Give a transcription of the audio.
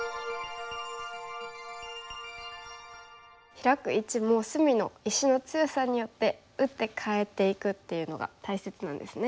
ヒラく位置も隅の石の強さによって打ってかえていくっていうのが大切なんですね。